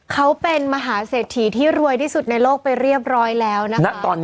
เขาเป็นมหาเศรษฐีที่รวยที่สุดในโลกไปเรียบร้อยแล้วนะคะ